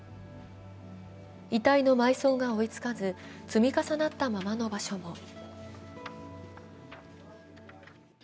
遺体の埋葬が追いつかず積み重なったままの場所も。